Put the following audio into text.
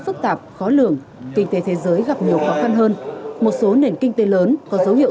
phức tạp khó lường kinh tế thế giới gặp nhiều khó khăn hơn một số nền kinh tế lớn có dấu hiệu